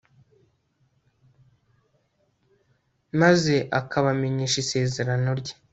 maze akabamenyesha isezerano rye